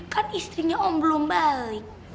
kan istrinya om belum balik